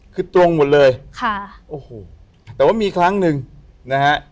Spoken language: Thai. คือตรงหมดเลยค่ะโอ้โหแต่ว่ามีครั้งหนึ่งนะฮะ